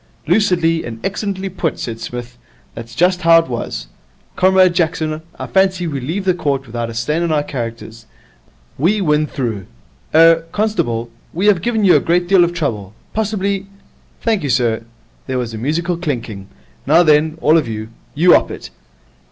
'Lucidly and excellently put,' said Psmith. 'That is just how it was. Comrade Jackson, I fancy we leave the court without a stain on our characters. We win through. Er constable, we have given you a great deal of trouble. Possibly ?' 'Thank you, sir.' There was a musical clinking. 'Now then, all of you, you 'op it.